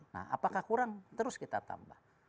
nah apakah kurang terus kita tambah